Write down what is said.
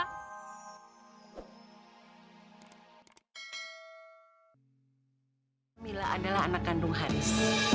amila adalah anak kandung haris